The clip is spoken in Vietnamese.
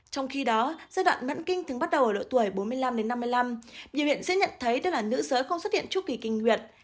trong khi đó giai đoạn mạng kinh thường bắt đầu ở độ tuổi bốn mươi năm năm mươi năm biểu hiện sẽ nhận thấy đây là nữ giới không xuất hiện trước kỳ kinh nguyệt